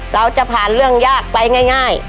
เราจะผ่านเรื่องยากไปง่าย